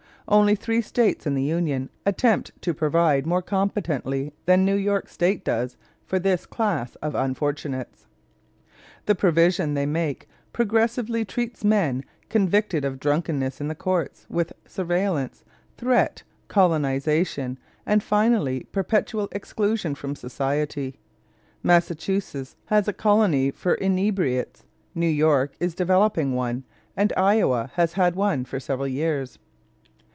Only three States in the Union attempt to provide more competently than New York State does for this class of unfortunates. The provision they make progressively treats men convicted of drunkenness in the courts with surveillance, threat, colonization, and finally perpetual exclusion from society. Massachusetts has a colony for inebriates, New York is developing one, and Iowa has had one for several years.